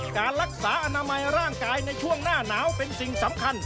การรักษาอนามัยร่างกายในช่วงหน้าหนาวเป็นสิ่งสำคัญ